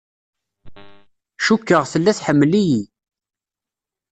Cukkeɣ tella tḥemmel-iyi.